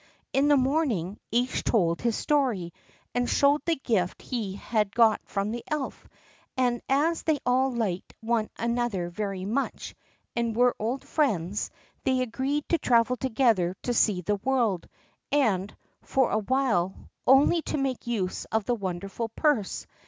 In the morning each told his story, and showed the gift he had got from the elf: and as they all liked one another very much, and were old friends, they agreed to travel together to see the world, and, for a while, only to make use of the wonderful purse.